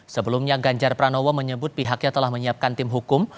sebelumnya ganjar pranowo menyebut pihaknya telah menyiapkan tim hukum